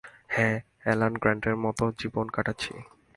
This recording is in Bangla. হ্যাঁ, অ্যালান গ্র্যান্টের মতো জীবন কাটাচ্ছি।